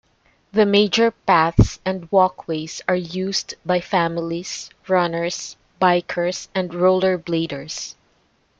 The major paths and walkways are used by families, runners, bikers and rollerbladers.